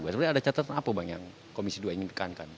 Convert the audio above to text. sebenarnya ada catatan apa bang yang komisi dua inginkan